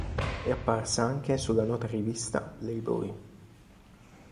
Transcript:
È apparsa anche sulla nota rivista "Playboy".